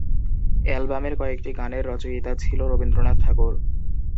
অ্যালবামের কয়েকটি গানের রচয়িতা ছিল রবীন্দ্রনাথ ঠাকুর।